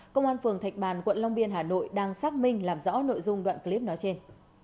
công an phường thạch bàn quận long biên hà nội đang xác minh làm rõ nội dung đoạn clip nói trên